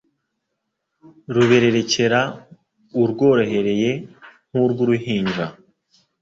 rubererekera urworohereye nk' urw' uruhinja.